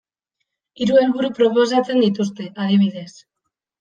Hiru helburu proposatzen dituzte, adibidez.